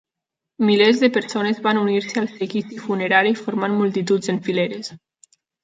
Milers de persones van unir-se al seguici funerari formant multituds en fileres.